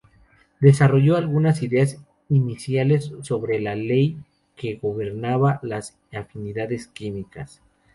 Desarrolló algunas ideas iniciales sobre la ley que gobierna las afinidades químicas.